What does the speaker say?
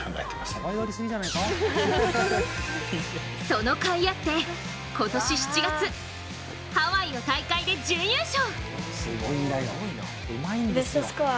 そのかいあって、今年７月ハワイの大会で準優勝！